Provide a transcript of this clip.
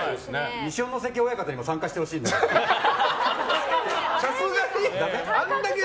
二所ノ関親方にも参加してほしいんですけど。